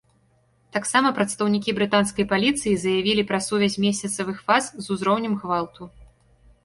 Таксама прадстаўнікі брытанскай паліцыі заявілі пра сувязь месяцавых фаз з узроўнем гвалту.